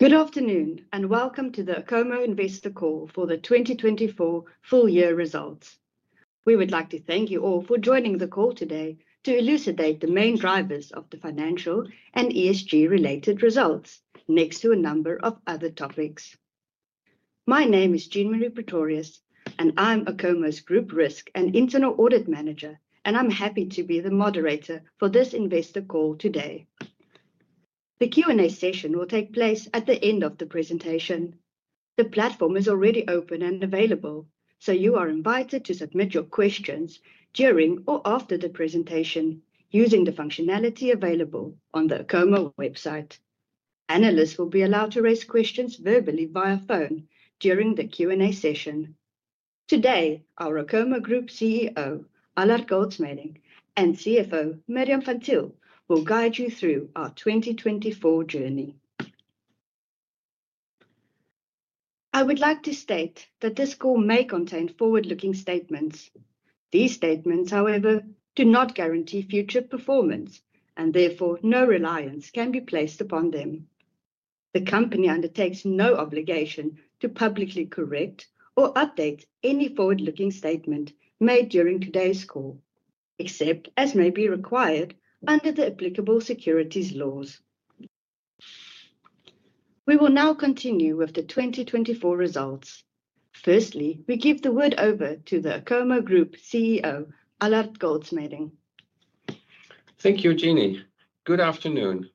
Good afternoon and welcome to the Acomo Investor Call for the 2024 full year results. We would like to thank you all for joining the call today to elucidate the main drivers of the financial and ESG-related results, next to a number of other topics. My name is Jean-Marie Pretorius, and I'm Acomo's Group Risk and Internal Audit Manager, and I'm happy to be the moderator for this Investor Call today. The Q&A session will take place at the end of the presentation. The platform is already open and available, so you are invited to submit your questions during or after the presentation using the functionality available on the Acomo website. Analysts will be allowed to raise questions verbally via phone during the Q&A session. Today, our Acomo Group CEO, Allard Goldschmeding, and CFO, Mirjam van Thiel, will guide you through our 2024 journey. I would like to state that this call may contain forward-looking statements. These statements, however, do not guarantee future performance, and therefore no reliance can be placed upon them. The company undertakes no obligation to publicly correct or update any forward-looking statement made during today's call, except as may be required under the applicable securities laws. We will now continue with the 2024 results. Firstly, we give the word over to the Acomo Group CEO, Allard Goldschmeding. Thank you, Jeanie. Good afternoon,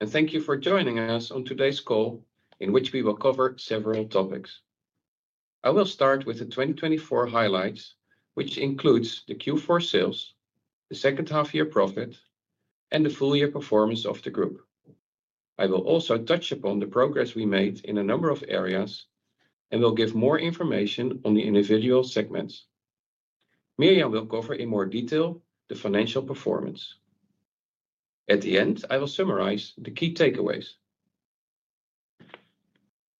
and thank you for joining us on today's call, in which we will cover several topics. I will start with the 2024 highlights, which includes the Q4 sales, the second half year profit, and the full year performance of the group. I will also touch upon the progress we made in a number of areas and will give more information on the individual segments. Mirjam will cover in more detail the financial performance. At the end, I will summarize the key takeaways.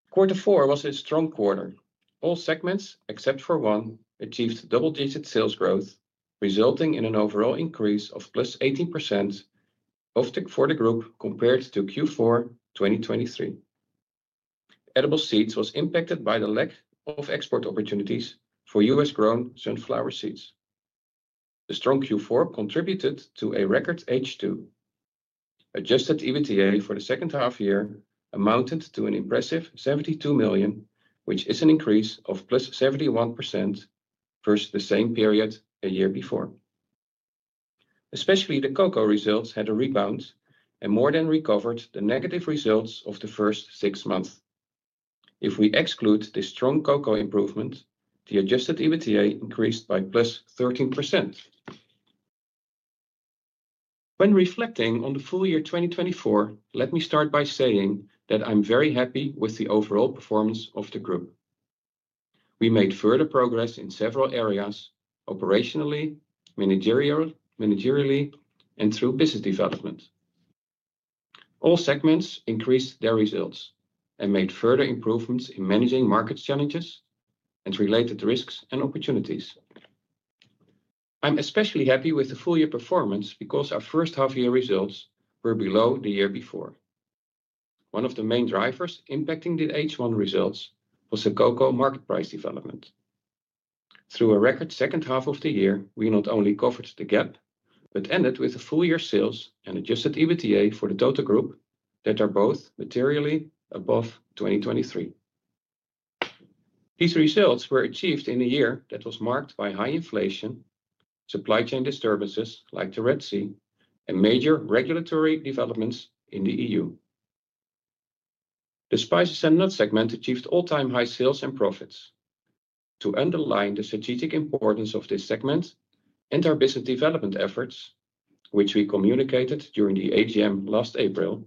Quarter four was a strong quarter. All segments, except for one, achieved double-digit sales growth, resulting in an overall increase of +18% for the group compared to Q4 2023. Edible seeds was impacted by the lack of export opportunities for U.S.-grown sunflower seeds. The strong Q4 contributed to a record H2. Adjusted EBITDA for the second half year amounted to an impressive 72 million, which is an increase of +71% versus the same period a year before. Especially the cocoa results had a rebound and more than recovered the negative results of the first six months. If we exclude the strong cocoa improvement, the adjusted EBITDA increased by +13%. When reflecting on the full year 2024, let me start by saying that I'm very happy with the overall performance of the group. We made further progress in several areas operationally, managerially, and through business development. All segments increased their results and made further improvements in managing market challenges and related risks and opportunities. I'm especially happy with the full year performance because our first half year results were below the year before. One of the main drivers impacting the H1 results was the cocoa market price development. Through a record second half of the year, we not only covered the gap, but ended with a full year sales and adjusted EBITDA for the total group that are both materially above 2023. These results were achieved in a year that was marked by high inflation, supply chain disturbances like the Red Sea, and major regulatory developments in the EU. The spices and nuts segment achieved all-time high sales and profits. To underline the strategic importance of this segment and our business development efforts, which we communicated during the AGM last April,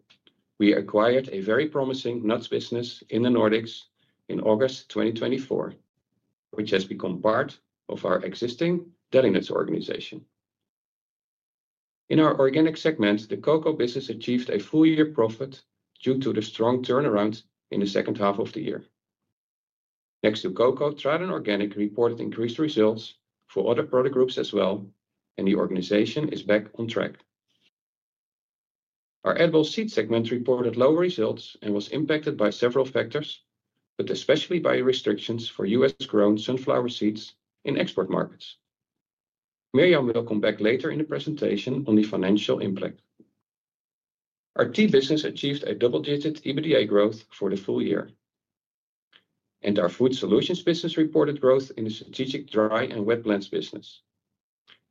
we acquired a very promising nuts business in the Nordics in August 2024, which has become part of our existing Delinuts Nordics organization. In our organic segment, the cocoa business achieved a full year profit due to the strong turnaround in the second half of the year. Next to cocoa, Tradin Organic reported increased results for other product groups as well, and the organization is back on track. Our edible seed segment reported lower results and was impacted by several factors, but especially by restrictions for U.S.-grown sunflower seeds in export markets. Mirjam will come back later in the presentation on the financial impact. Our tea business achieved a double-digit EBITDA growth for the full year, and our food solutions business reported growth in the strategic dry and wet blends business.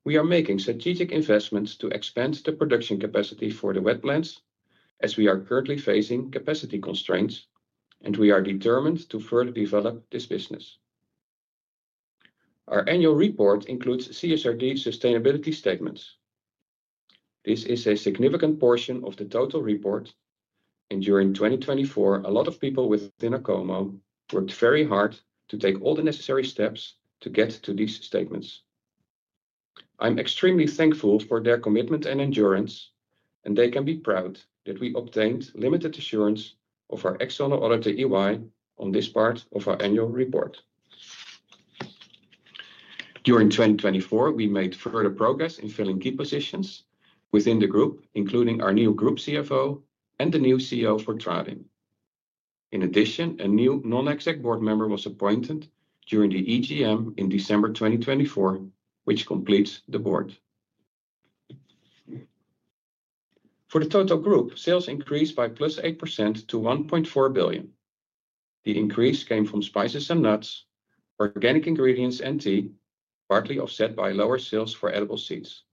We are making strategic investments to expand the production capacity for the wet blends, as we are currently facing capacity constraints, and we are determined to further develop this business. Our annual report includes CSRD sustainability statements. This is a significant portion of the total report, and during 2024, a lot of people within Acomo worked very hard to take all the necessary steps to get to these statements. I'm extremely thankful for their commitment and endurance, and they can be proud that we obtained limited assurance of our external auditor EY on this part of our annual report. During 2024, we made further progress in filling key positions within the group, including our new Group CFO and the new CEO for Tradin. In addition, a new non-exec board member was appointed during the EGM in December 2024, which completes the board. For the total group, sales increased by +8% to 1.4 billion. The increase came from spices and nuts, organic ingredients, and tea, partly offset by lower sales for edible seeds.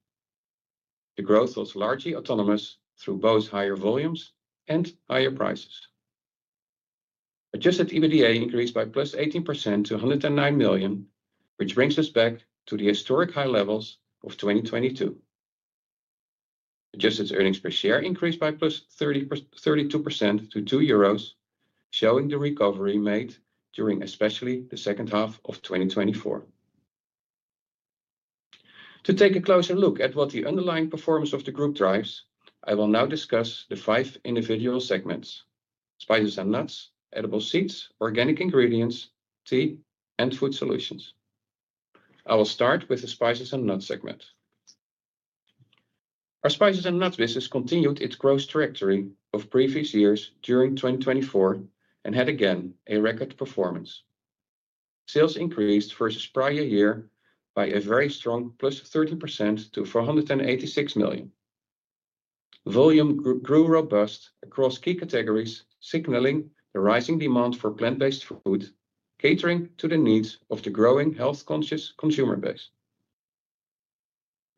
The growth was largely autonomous through both higher volumes and higher prices. Adjusted EBITDA increased by +18% to 109 million, which brings us back to the historic high levels of 2022. Adjusted earnings per share increased by +32% to 2 euros, showing the recovery made during especially the second half of 2024. To take a closer look at what the underlying performance of the group drives, I will now discuss the five individual segments: spices and nuts, edible seeds, organic ingredients, tea, and food solutions. I will start with the spices and nuts segment. Our spices and nuts business continued its growth trajectory of previous years during 2024 and had again a record performance. Sales increased versus prior year by a very strong +13% to 486 million. Volume grew robust across key categories, signaling the rising demand for plant-based food, catering to the needs of the growing health-conscious consumer base.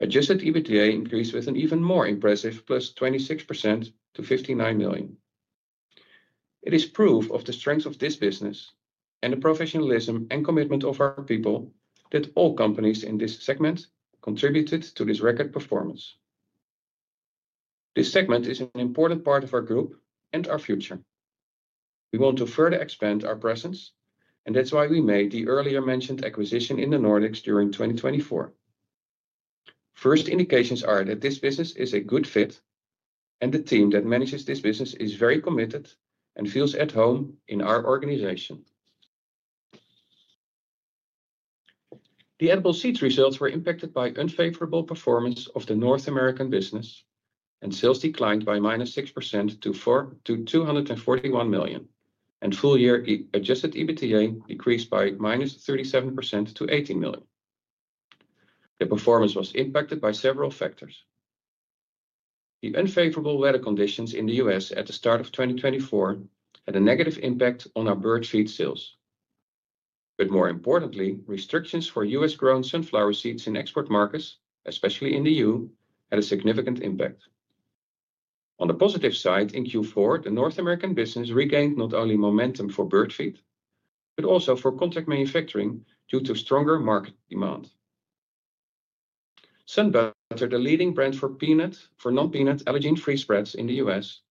Adjusted EBITDA increased with an even more impressive +26% to 59 million. It is proof of the strength of this business and the professionalism and commitment of our people that all companies in this segment contributed to this record performance. This segment is an important part of our group and our future. We want to further expand our presence, and that's why we made the earlier mentioned acquisition in the Nordics during 2024. First indications are that this business is a good fit, and the team that manages this business is very committed and feels at home in our organization. The edible seeds results were impacted by unfavorable performance of the North American business, and sales declined by -6% to 241 million, and full year adjusted EBITDA decreased by -37% to 18 million. The performance was impacted by several factors. The unfavorable weather conditions in the U.S. at the start of 2024 had a negative impact on our bird feed sales. More importantly, restrictions for U.S.-grown sunflower seeds in export markets, especially in the EU, had a significant impact. On the positive side, in Q4, the North American business regained not only momentum for bird feed, but also for contract manufacturing due to stronger market demand. SunButter are the leading brand for non-peanut allergen-free spreads in the U.S.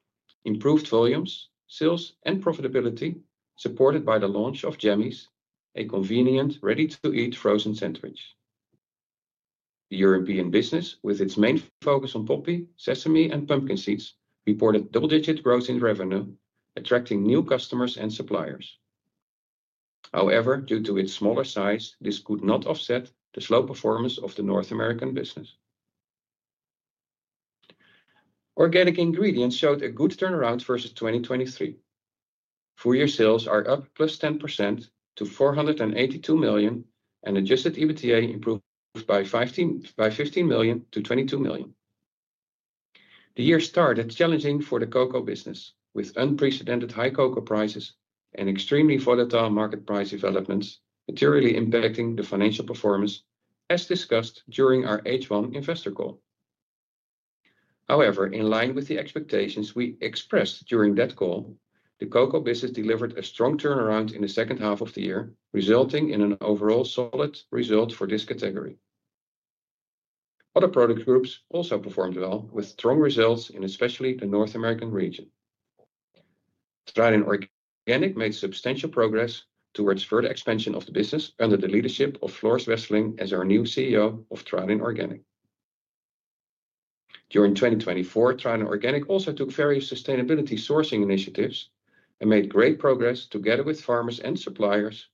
Improved volumes, sales, and profitability supported by the launch of Jammies, a convenient ready-to-eat frozen sandwich. The European business, with its main focus on poppy, sesame, and pumpkin seeds, reported double-digit growth in revenue, attracting new customers and suppliers. However, due to its smaller size, this could not offset the slow performance of the North American business. Organic ingredients showed a good turnaround versus 2023. Four-year sales are up +10% to 482 million, and adjusted EBITDA improved by 15 million-22 million. The year started challenging for the cocoa business, with unprecedented high cocoa prices and extremely volatile market price developments materially impacting the financial performance, as discussed during our H1 investor call. However, in line with the expectations we expressed during that call, the cocoa business delivered a strong turnaround in the second half of the year, resulting in an overall solid result for this category. Other product groups also performed well, with strong results in especially the North American region. Tradin Organic made substantial progress towards further expansion of the business under the leadership of Floris Wesseling as our new CEO of Tradin Organic. During 2024, Tradin Organic also took various sustainability sourcing initiatives and made great progress together with farmers and suppliers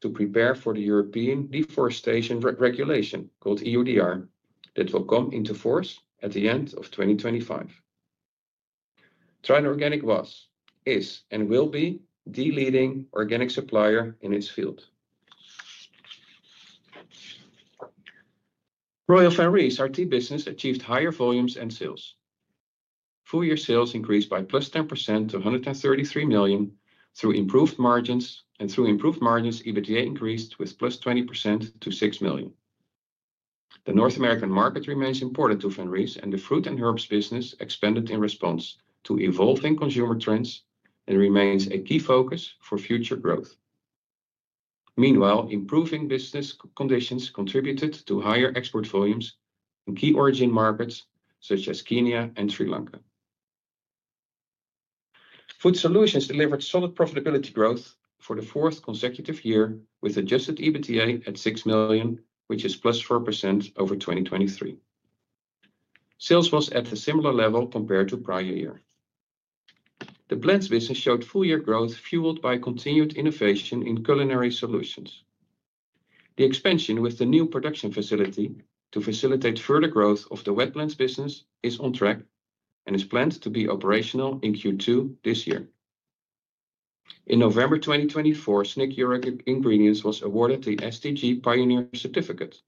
to prepare for the European Deforestation Regulation called EUDR that will come into force at the end of 2025. Tradin Organic was, is, and will be the leading organic supplier in its field. Royal Van Rees, our tea business, achieved higher volumes and sales. Four-year sales increased by +10% to 133 million through improved margins, and through improved margins, EBITDA increased with +20% to 6 million. The North American market remains important to Van Rees, and the fruit and herbs business expanded in response to evolving consumer trends and remains a key focus for future growth. Meanwhile, improving business conditions contributed to higher export volumes in key origin markets such as Kenya and Sri Lanka. Food solutions delivered solid profitability growth for the fourth consecutive year with adjusted EBITDA at 6 million, which is +4% over 2023. Sales was at a similar level compared to prior year. The blends business showed full year growth fueled by continued innovation in culinary solutions. The expansion with the new production facility to facilitate further growth of the wet blends business is on track and is planned to be operational in Q2 this year. In November 2024, Snick EuroIngredients was awarded the SDG Pioneer Certificate.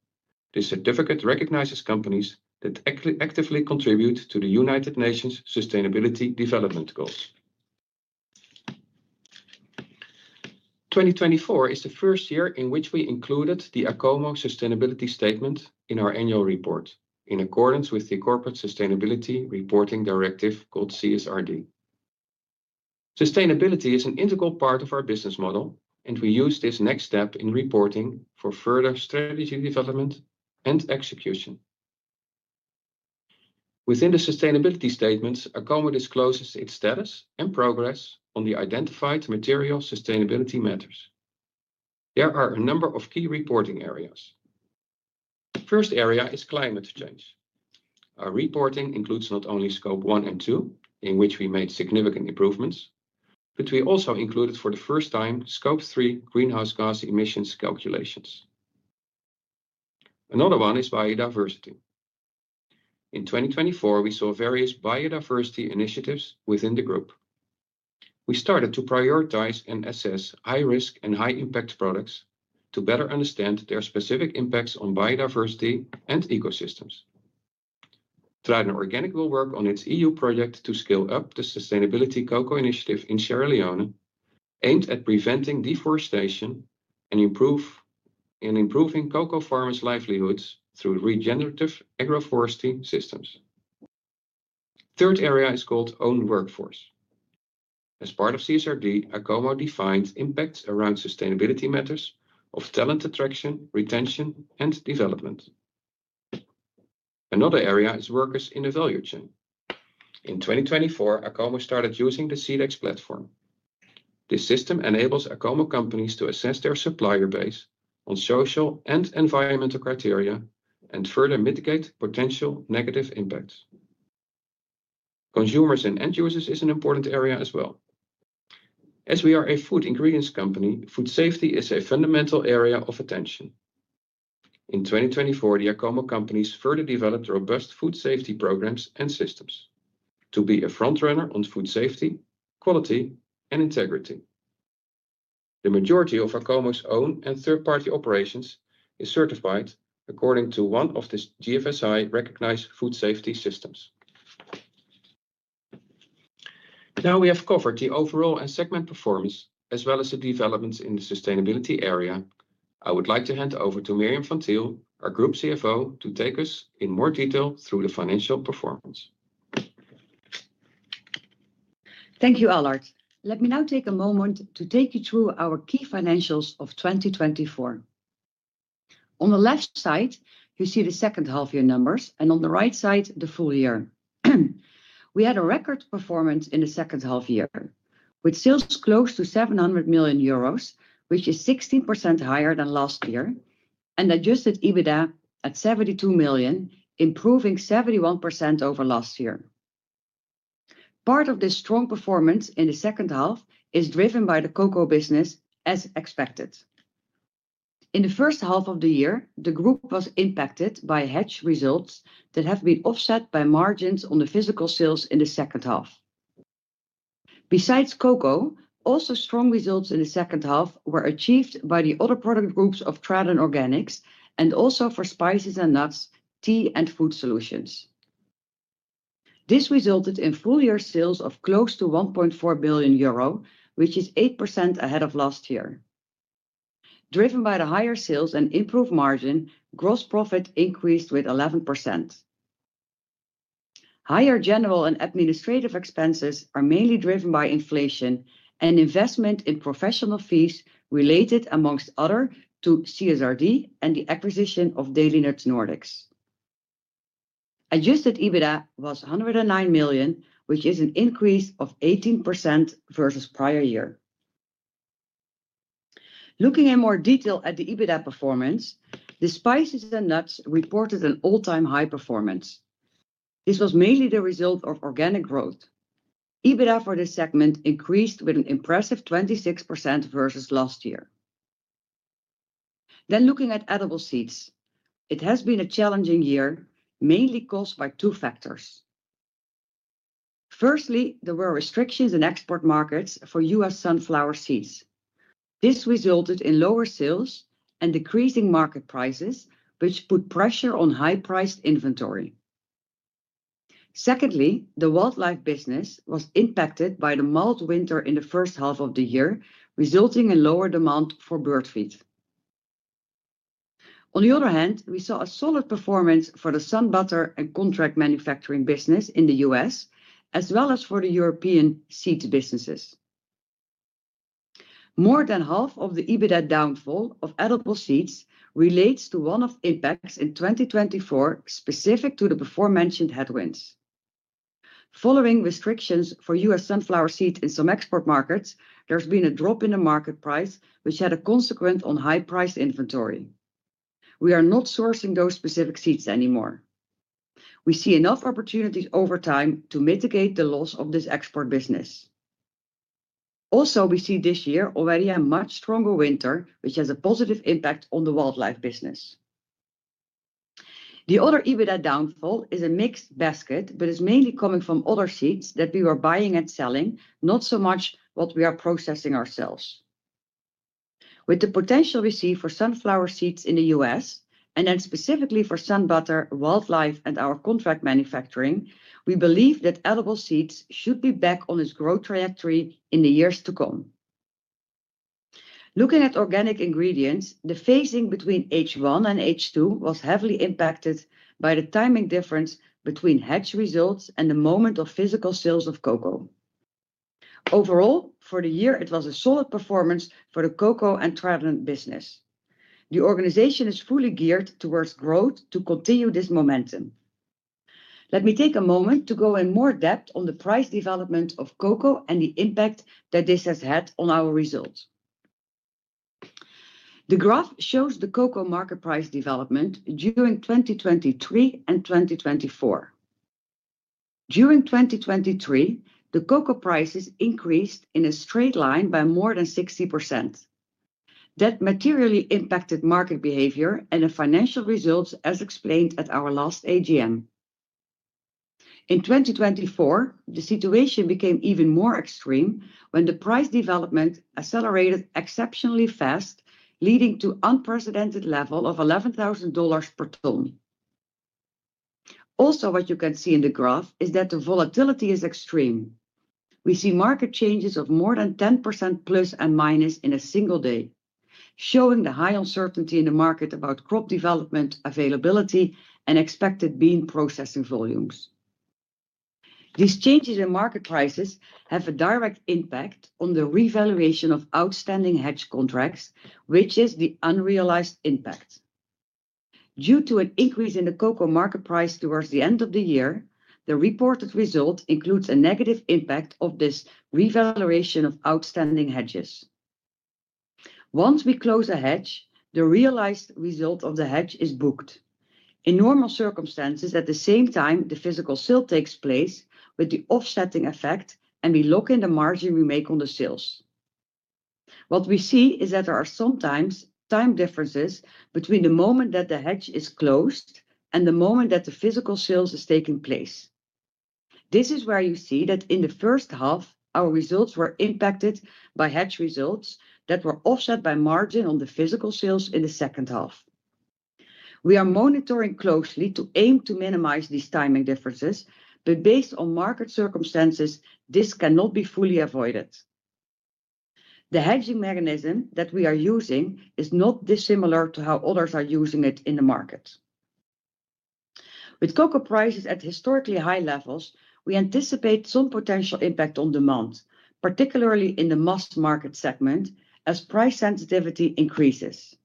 This certificate recognizes companies that actively contribute to the United Nations' sustainability development goals. 2024 is the first year in which we included the Acomo sustainability statement in our annual report in accordance with the Corporate Sustainability Reporting Directive called CSRD. Sustainability is an integral part of our business model, and we use this next step in reporting for further strategy development and execution. Within the sustainability statements, Acomo discloses its status and progress on the identified material sustainability matters. There are a number of key reporting areas. The first area is climate change. Our reporting includes not only Scope one and two, in which we made significant improvements, but we also included for the first time Scope three greenhouse gas emissions calculations. Another one is biodiversity. In 2024, we saw various biodiversity initiatives within the group. We started to prioritize and assess high-risk and high-impact products to better understand their specific impacts on biodiversity and ecosystems. Tradin Organic will work on its EU project to scale up the sustainability cocoa initiative in Sierra Leone, aimed at preventing deforestation and improving cocoa farmers' livelihoods through regenerative agroforestry systems. The third area is called own workforce. As part of CSRD, Acomo defined impacts around sustainability matters of talent attraction, retention, and development. Another area is workers in the value chain. In 2024, Acomo started using the Sedex platform. This system enables Acomo companies to assess their supplier base on social and environmental criteria and further mitigate potential negative impacts. Consumers and end users is an important area as well. As we are a food ingredients company, food safety is a fundamental area of attention. In 2024, the Acomo companies further developed robust food safety programs and systems to be a front runner on food safety, quality, and integrity. The majority of Acomo's own and third-party operations is certified according to one of the GFSI-recognized food safety systems. Now we have covered the overall and segment performance, as well as the developments in the sustainability area. I would like to hand over to Mirjam van Thiel, our Group CFO, to take us in more detail through the financial performance. Thank you, Allard. Let me now take a moment to take you through our key financials of 2024. On the left side, you see the second half year numbers, and on the right side, the full year. We had a record performance in the second half year, with sales close to 700 million euros, which is 16% higher than last year, and adjusted EBITDA at 72 million, improving 71% over last year. Part of this strong performance in the second half is driven by the cocoa business, as expected. In the first half of the year, the group was impacted by hedge results that have been offset by margins on the physical sales in the second half. Besides cocoa, also strong results in the second half were achieved by the other product groups of Tradin Organics, and also for spices and nuts, tea, and food solutions. This resulted in full year sales of close to 1.4 billion euro, which is 8% ahead of last year. Driven by the higher sales and improved margin, gross profit increased with 11%. Higher general and administrative expenses are mainly driven by inflation and investment in professional fees related, amongst other, to CSRD and the acquisition of Delinuts Nordics. Adjusted EBITDA was 109 million, which is an increase of 18% versus prior year. Looking in more detail at the EBITDA performance, the spices and nuts reported an all-time high performance. This was mainly the result of organic growth. EBITDA for this segment increased with an impressive 26% versus last year. Looking at edible seeds, it has been a challenging year, mainly caused by two factors. Firstly, there were restrictions in export markets for U.S. sunflower seeds. This resulted in lower sales and decreasing market prices, which put pressure on high-priced inventory. Secondly, the wildlife business was impacted by the mild winter in the first half of the year, resulting in lower demand for bird feed. On the other hand, we saw a solid performance for the SunButter and contract manufacturing business in the US, as well as for the European seed businesses. More than half of the EBITDA downfall of edible seeds relates to one of the impacts in 2024 specific to the before-mentioned headwinds. Following restrictions for U.S. sunflower seeds in some export markets, there's been a drop in the market price, which had a consequence on high-priced inventory. We are not sourcing those specific seeds anymore. We see enough opportunities over time to mitigate the loss of this export business. Also, we see this year already a much stronger winter, which has a positive impact on the wildlife business. The other EBITDA downfall is a mixed basket, but it's mainly coming from other seeds that we were buying and selling, not so much what we are processing ourselves. With the potential we see for sunflower seeds in the U.S., and then specifically for SunButter, wildlife, and our contract manufacturing, we believe that edible seeds should be back on its growth trajectory in the years to come. Looking at organic ingredients, the phasing between H1 and H2 was heavily impacted by the timing difference between hedge results and the moment of physical sales of cocoa. Overall, for the year, it was a solid performance for the cocoa and Tradin business. The organization is fully geared towards growth to continue this momentum. Let me take a moment to go in more depth on the price development of cocoa and the impact that this has had on our results. The graph shows the cocoa market price development during 2023 and 2024. During 2023, the cocoa prices increased in a straight line by more than 60%. That materially impacted market behavior and the financial results, as explained at our last AGM. In 2024, the situation became even more extreme when the price development accelerated exceptionally fast, leading to an unprecedented level of $11,000 per ton. Also, what you can see in the graph is that the volatility is extreme. We see market changes of more than 10% plus and minus in a single day, showing the high uncertainty in the market about crop development availability and expected bean processing volumes. These changes in market prices have a direct impact on the revaluation of outstanding hedge contracts, which is the unrealized impact. Due to an increase in the cocoa market price towards the end of the year, the reported result includes a negative impact of this revaluation of outstanding hedges. Once we close a hedge, the realized result of the hedge is booked. In normal circumstances, at the same time, the physical sale takes place with the offsetting effect, and we lock in the margin we make on the sales. What we see is that there are sometimes time differences between the moment that the hedge is closed and the moment that the physical sales are taking place. This is where you see that in the first half, our results were impacted by hedge results that were offset by margin on the physical sales in the second half. We are monitoring closely to aim to minimize these timing differences, but based on market circumstances, this cannot be fully avoided. The hedging mechanism that we are using is not dissimilar to how others are using it in the market. With cocoa prices at historically high levels, we anticipate some potential impact on demand, particularly in the mass market segment, as price sensitivity increases.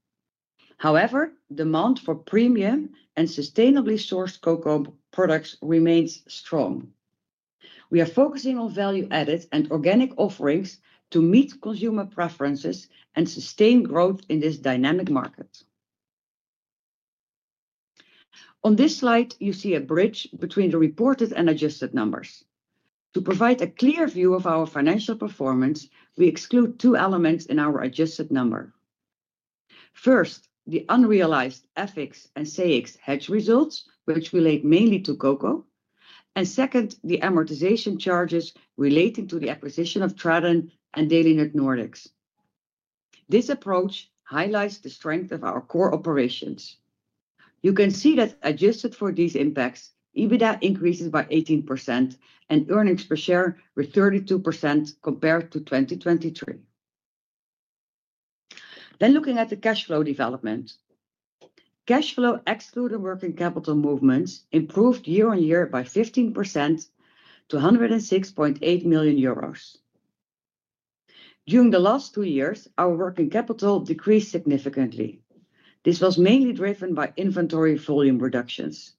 However, demand for premium and sustainably sourced cocoa products remains strong. We are focusing on value-added and organic offerings to meet consumer preferences and sustain growth in this dynamic market. On this slide, you see a bridge between the reported and adjusted numbers. To provide a clear view of our financial performance, we exclude two elements in our adjusted number. First, the unrealized FX and CX hedge results, which relate mainly to cocoa, and second, the amortization charges relating to the acquisition of Tradin and Delinuts Nordics. This approach highlights the strength of our core operations. You can see that adjusted for these impacts, EBITDA increases by 18% and earnings per share with 32% compared to 2023. Looking at the cash flow development, cash flow excluded working capital movements improved year on year by 15% to 106.8 million euros. During the last two years, our working capital decreased significantly. This was mainly driven by inventory volume reductions.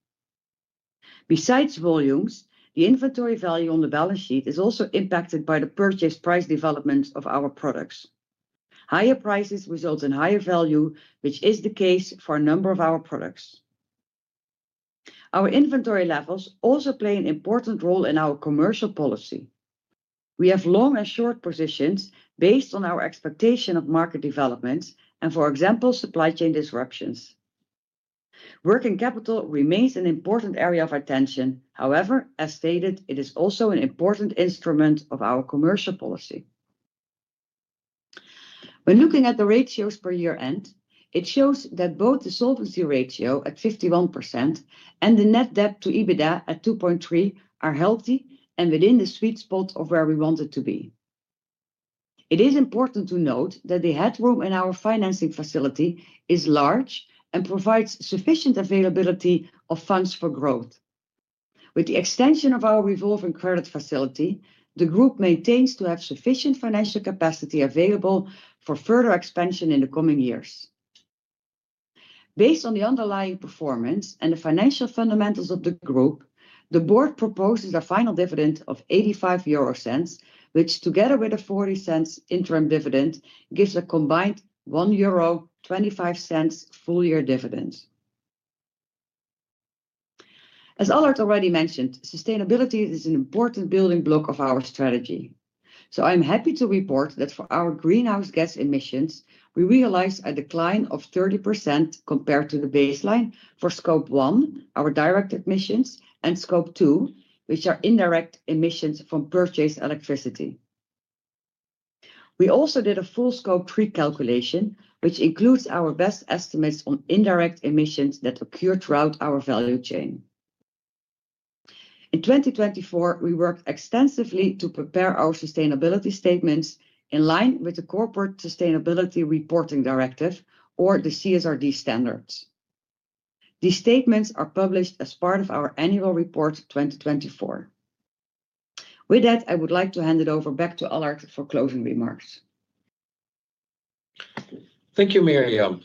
Besides volumes, the inventory value on the balance sheet is also impacted by the purchase price development of our products. Higher prices result in higher value, which is the case for a number of our products. Our inventory levels also play an important role in our commercial policy. We have long and short positions based on our expectation of market developments and, for example, supply chain disruptions. Working capital remains an important area of attention. However, as stated, it is also an important instrument of our commercial policy. When looking at the ratios per year end, it shows that both the solvency ratio at 51% and the net debt to EBITDA at 2.3 are healthy and within the sweet spot of where we want it to be. It is important to note that the headroom in our financing facility is large and provides sufficient availability of funds for growth. With the extension of our revolving credit facility, the group maintains to have sufficient financial capacity available for further expansion in the coming years. Based on the underlying performance and the financial fundamentals of the group, the board proposes a final dividend of 0.85, which, together with a 0.40 interim dividend, gives a combined 1.25 euro full year dividend. As Allard already mentioned, sustainability is an important building block of our strategy. I am happy to report that for our greenhouse gas emissions, we realized a decline of 30% compared to the baseline for Scope one, our direct emissions, and Scope two, which are indirect emissions from purchased electricity. We also did a full Scope three calculation, which includes our best estimates on indirect emissions that occur throughout our value chain. In 2024, we worked extensively to prepare our sustainability statements in line with the Corporate Sustainability Reporting Directive, or the CSRD standards. These statements are published as part of our annual report 2024. With that, I would like to hand it over back to Allard for closing remarks. Thank you, Mirjam.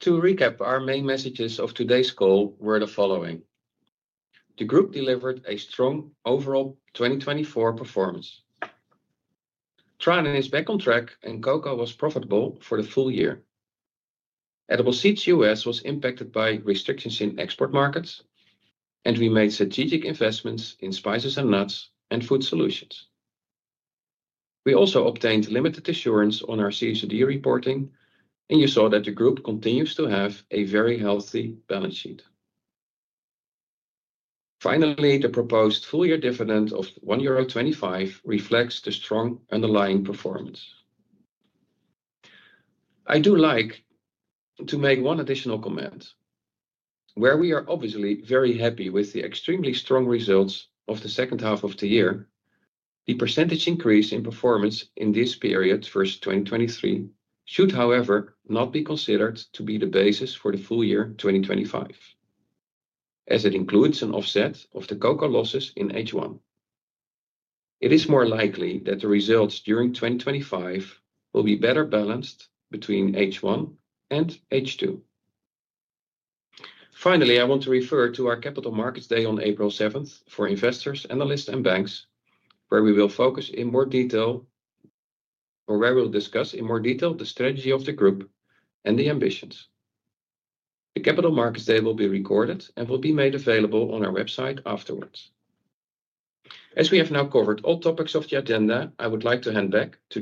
To recap, our main messages of today's call were the following: the group delivered a strong overall 2024 performance, Trade is back on track, and cocoa was profitable for the full year. Edible Seeds U.S. was impacted by restrictions in export markets, and we made strategic investments in spices and nuts and food solutions. We also obtained limited assurance on our CSRD reporting, and you saw that the group continues to have a very healthy balance sheet. Finally, the proposed full year dividend of 1.25 euro reflects the strong underlying performance. I do like to make one additional comment. Where we are obviously very happy with the extremely strong results of the second half of the year, the percentage increase in performance in this period versus 2023 should, however, not be considered to be the basis for the full year 2025, as it includes an offset of the cocoa losses in H1. It is more likely that the results during 2025 will be better balanced between H1 and H2. Finally, I want to refer to our Capital Markets Day on April 7 for investors, analysts, and banks, where we will focus in more detail, or where we'll discuss in more detail the strategy of the group and the ambitions. The Capital Markets Day will be recorded and will be made available on our website afterwards. As we have now covered all topics of the agenda, I would like to hand back to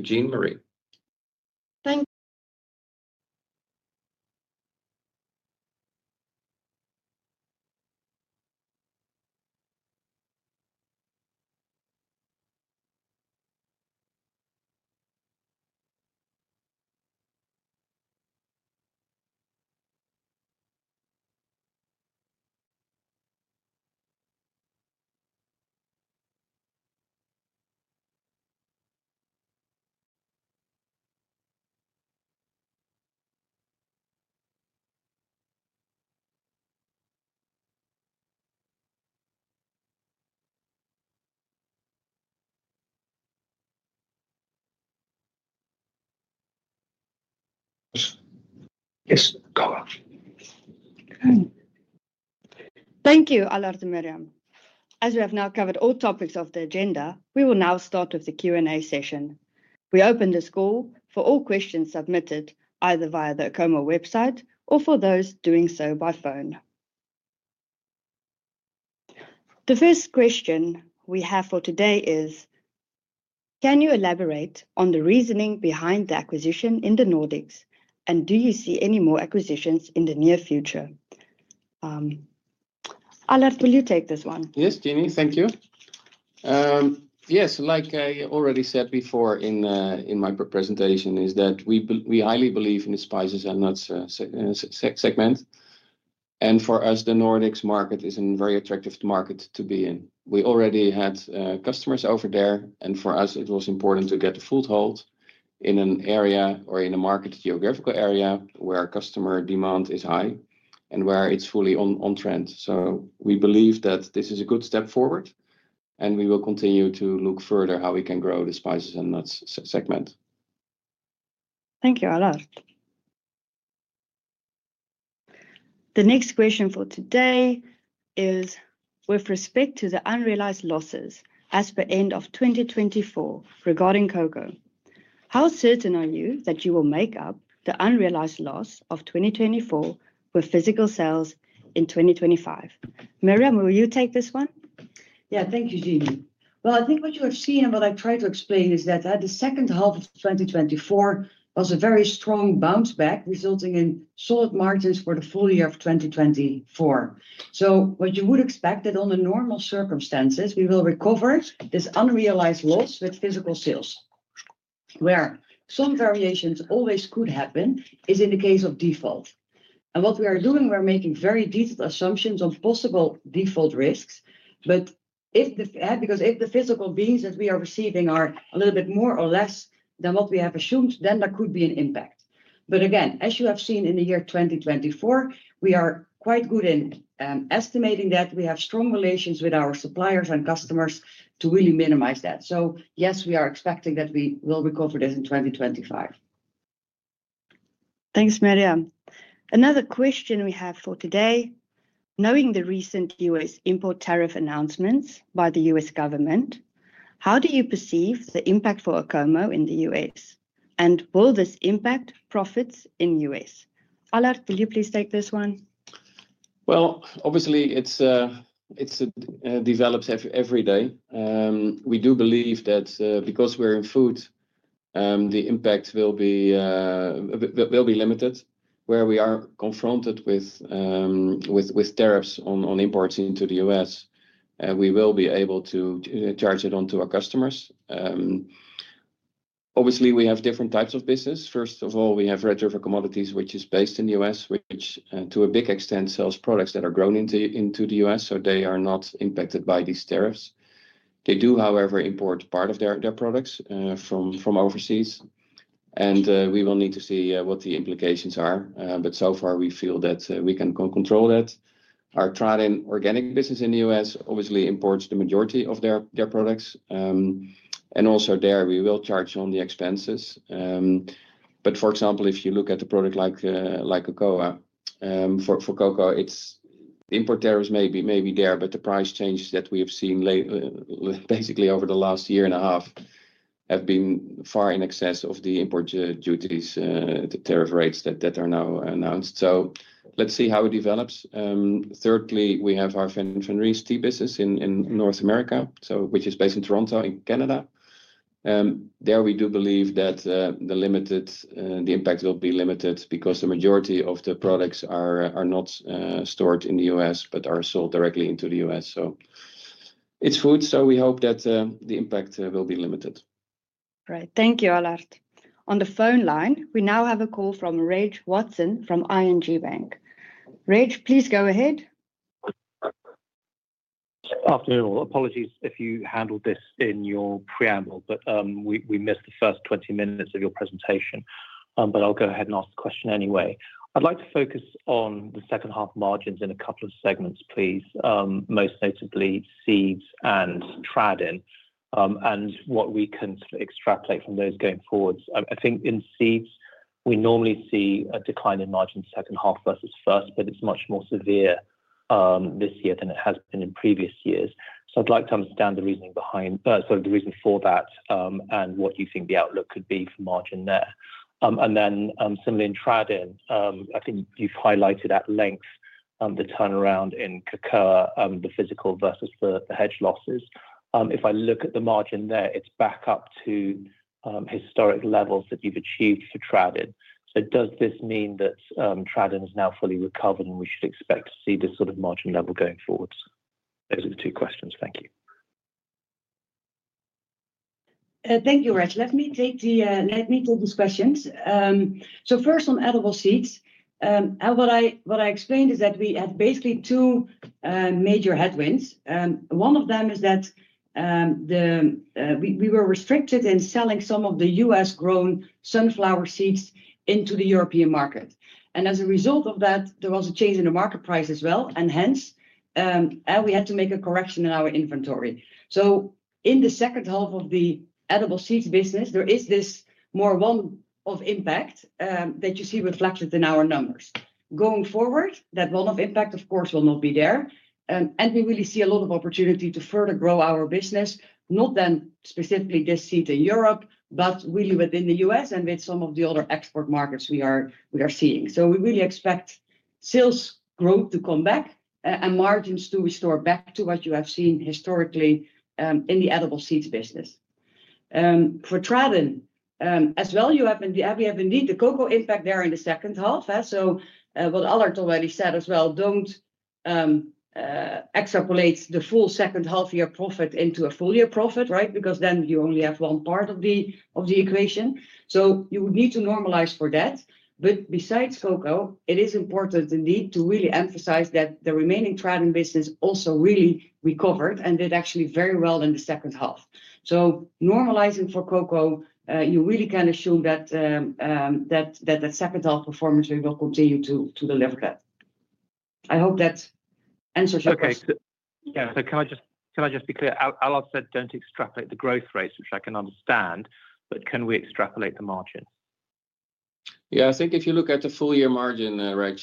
Jean-Marie. Thank you, Allard and Mirjam. As we have now covered all topics of the agenda, we will now start with the Q&A session. We open this call for all questions submitted either via the Acomo website or for those doing so by phone. The first question we have for today is, can you elaborate on the reasoning behind the acquisition in the Nordics, and do you see any more acquisitions in the near future? Allard, will you take this one? Yes, Jean-Marie, thank you. Yes, like I already said before in my presentation, is that we highly believe in the spices and nuts segment. For us, the Nordics market is a very attractive market to be in. We already had customers over there, and for us, it was important to get a foothold in an area or in a market geographical area where customer demand is high and where it's fully on trend. We believe that this is a good step forward, and we will continue to look further how we can grow the spices and nuts segment. Thank you, Allard. The next question for today is, with respect to the unrealized losses as per end of 2024 regarding cocoa, how certain are you that you will make up the unrealized loss of 2024 with physical sales in 2025? Mirjam, will you take this one? Yeah, thank you, Jean-Marie. I think what you have seen and what I've tried to explain is that the second half of 2024 was a very strong bounce back, resulting in solid margins for the full year of 2024. What you would expect is that under normal circumstances, we will recover this unrealized loss with physical sales, where some variations always could happen in the case of default. What we are doing, we're making very detailed assumptions on possible default risks. If the physical beans that we are receiving are a little bit more or less than what we have assumed, then there could be an impact. Again, as you have seen in the year 2024, we are quite good in estimating that. We have strong relations with our suppliers and customers to really minimize that. Yes, we are expecting that we will recover this in 2025. Thanks, Mirjam. Another question we have for today: knowing the recent U.S. import tariff announcements by the U.S. government, how do you perceive the impact for Acomo in the U.S., and will this impact profits in the U.S.? Allard, will you please take this one? Obviously, it develops every day. We do believe that because we're in food, the impact will be limited. Where we are confronted with tariffs on imports into the U.S., we will be able to charge it onto our customers. Obviously, we have different types of business. First of all, we have Red River Commodities, which is based in the U.S., which to a big extent sells products that are grown into the U.S., so they are not impacted by these tariffs. They do, however, import part of their products from overseas, and we will need to see what the implications are. So far, we feel that we can control that. Our Tradin Organic business in the U.S. obviously imports the majority of their products. Also there, we will charge on the expenses. For example, if you look at a product like cocoa, its import tariffs may be there, but the price changes that we have seen basically over the last year and a half have been far in excess of the import duties, the tariff rates that are now announced. Let's see how it develops. Thirdly, we have our Fenris tea business in North America, which is based in Toronto, in Canada. There we do believe that the impact will be limited because the majority of the products are not stored in the U.S., but are sold directly into the U.S. It is food, so we hope that the impact will be limited. Right, thank you, Allard. On the phone line, we now have a call from Reg Watson from ING Bank. Reg, please go ahead. Afternoon. Apologies if you handled this in your preamble, we missed the first 20 minutes of your presentation. I'll go ahead and ask the question anyway. I'd like to focus on the second half margins in a couple of segments, most notably seeds and Tradin and what we can extrapolate from those going forwards. I think in seeds, we normally see a decline in margin second half versus first, but it's much more severe this year than it has been in previous years. I'd like to understand the reasoning behind, sorry, the reason for that and what you think the outlook could be for margin there. Then similarly in Tradin, I think you have highlighted at length the turnaround in cocoa, the physical versus the hedge losses. If I look at the margin there, it is back up to historic levels that you have achieved for Tradin. Does this mean that Tradin is now fully recovered and we should expect to see this sort of margin level going forwards? Those are the two questions. Thank you. Thank you, Reg. Let me take these questions. First on edible seeds, what I explained is that we had basically two major headwinds. One of them is that we were restricted in selling some of the U.S.-grown sunflower seeds into the European market. As a result of that, there was a change in the market price as well, and hence we had to make a correction in our inventory. In the second half of the edible seeds business, there is this more one-off impact that you see reflected in our numbers. Going forward, that one-off impact, of course, will not be there. We really see a lot of opportunity to further grow our business, not then specifically this seed in Europe, but really within the U.S. and with some of the other export markets we are seeing. We really expect sales growth to come back and margins to restore back to what you have seen historically in the edible seeds business. For Tradin as well, you have indeed the cocoa impact there in the second half. What Allard already said as well, do not extrapolate the full second half year profit into a full year profit, right? Because then you only have one part of the equation. You would need to normalize for that. Besides cocoa, it is important indeed to really emphasize that the remaining Tradin business also really recovered and did actually very well in the second half. Normalizing for cocoa, you really can assume that that second half performance will continue to deliver that. I hope that answers your question. Yeah, can I just be clear? Allard said, do not extrapolate the growth rates, which I can understand, but can we extrapolate the margins? Yeah, I think if you look at the full year margin, Reg,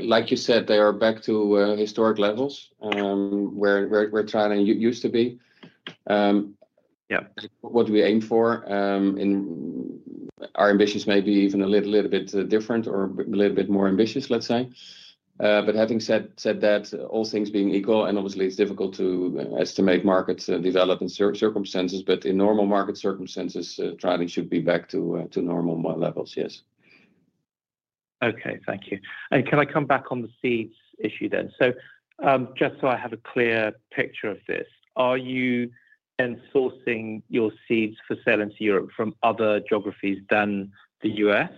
like you said, they are back to historic levels where Tradin used to be. Yeah, what we aim for, our ambitions may be even a little bit different or a little bit more ambitious, let's say. Having said that, all things being equal, and obviously it's difficult to estimate markets and development circumstances, but in normal market circumstances, Tradin should be back to normal levels, yes. Okay, thank you. Can I come back on the seeds issue then? Just so I have a clear picture of this, are you then sourcing your seeds for sale into Europe from other geographies than the U.S.?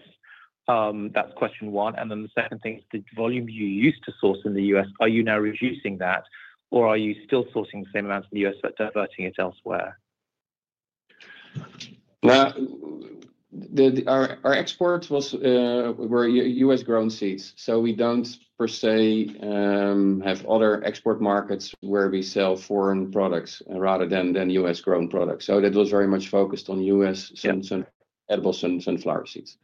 That's question one. The second thing is the volume you used to source in the U.S., are you now reducing that, or are you still sourcing the same amounts in the U.S. but diverting it elsewhere? Our exports were U.S.-grown seeds, so we do not per se have other export markets where we sell foreign products rather than U.S.-grown products. That was very much focused on U.S. edible sunflower seeds.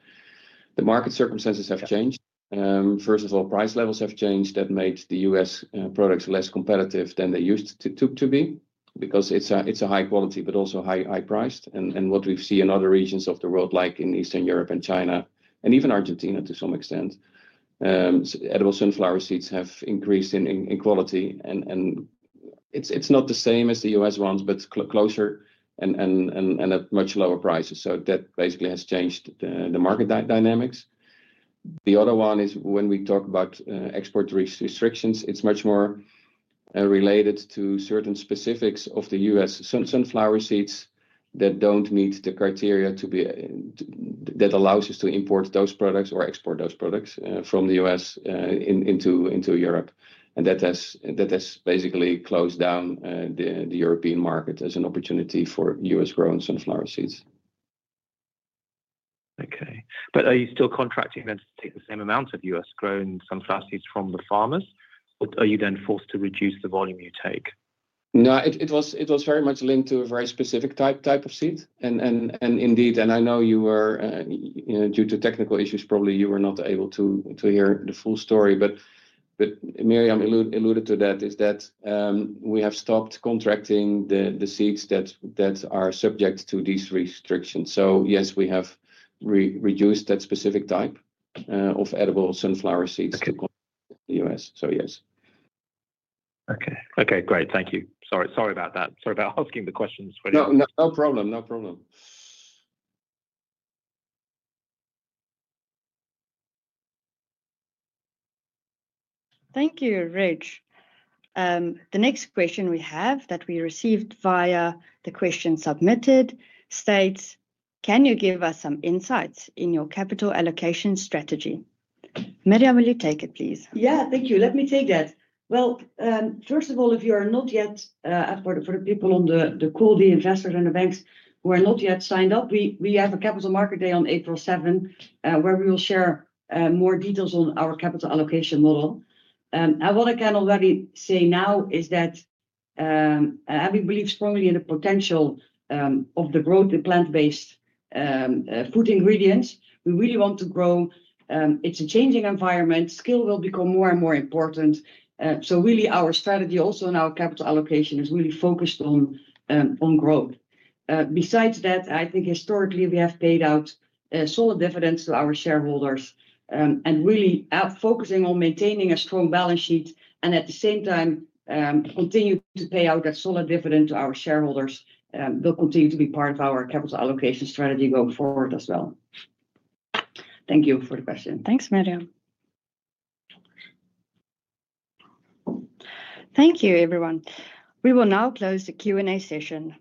The market circumstances have changed. First of all, price levels have changed that made the U.S. products less competitive than they used to be, because it's a high quality, but also high priced. What we see in other regions of the world, like in Eastern Europe and China, and even Argentina to some extent, edible sunflower seeds have increased in quality. It's not the same as the U.S. ones, but closer and at much lower prices. That basically has changed the market dynamics. The other one is when we talk about export restrictions, it's much more related to certain specifics of the U.S. sunflower seeds that don't meet the criteria that allows us to import those products or export those products from the U.S. into Europe. That has basically closed down the European market as an opportunity for U.S.-grown sunflower seeds. Okay, but are you still contracting them to take the same amount of U.S.-grown sunflower seeds from the farmers? Are you then forced to reduce the volume you take? No, it was very much linked to a very specific type of seed. And indeed, I know you were, due to technical issues, probably you were not able to hear the full story. But Mirjam alluded to that, is that we have stopped contracting the seeds that are subject to these restrictions. Yes, we have reduced that specific type of edible sunflower seeds to the U.S. Yes. Okay, okay, great. Thank you. Sorry about that. Sorry about asking the questions. No problem, no problem. Thank you, Reg. The next question we have that we received via the question submitted states, can you give us some insights in your capital allocation strategy? Mirjam, will you take it, please? Yeah, thank you. Let me take that. First of all, if you are not yet, for the people on the call, the investors and the banks who are not yet signed up, we have a Capital Market Day on April 7, where we will share more details on our capital allocation model. What I can already say now is that we believe strongly in the potential of the growth in plant-based food ingredients. We really want to grow. It's a changing environment. Skill will become more and more important. Really, our strategy also in our capital allocation is really focused on growth. Besides that, I think historically we have paid out solid dividends to our shareholders and really focusing on maintaining a strong balance sheet and at the same time continue to pay out that solid dividend to our shareholders will continue to be part of our capital allocation strategy going forward as well. Thank you for the question. Thanks, Mirjam. Thank you, everyone. We will now close the Q&A session.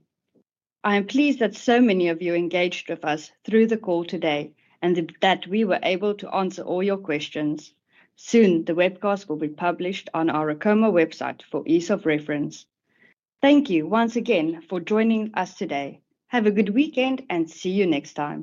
I am pleased that so many of you engaged with us through the call today and that we were able to answer all your questions. Soon, the webcast will be published on our Acomo website for ease of reference. Thank you once again for joining us today. Have a good weekend and see you next time.